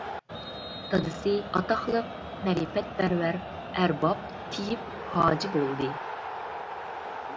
دادىسى ئاتاقلىق مەرىپەتپەرۋەر ئەرباب تېيىپ ھاجى بولدى.